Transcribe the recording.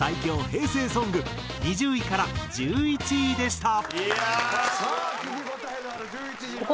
平成ソング２０位から１１位でした。